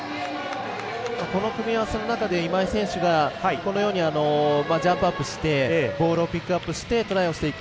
この組み合わせの中で今井選手がこのようにジャンプアップしてボールをピックアップしてトライをしていく。